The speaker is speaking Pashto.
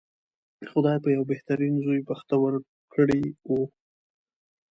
خدای په یوه بهترین زوی بختور کړی و.